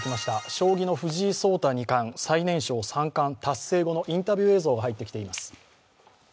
将棋の藤井聡太二冠、最年少三冠達成後のインタビュー映像が入ってきています。